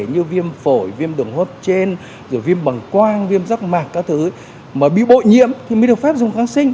như viêm phổi viêm đường hốt trên viêm bằng quang viêm rắc mạc các thứ mà bị bội nhiễm thì mới được phép dùng kháng sinh